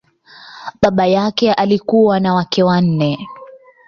Baba yake alikuwa na wake wanne.